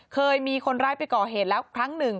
เคยมีคนร้ายไปก่อเหตุแล้วครั้งหนึ่ง